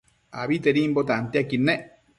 Abitedimbo tantiaquid nec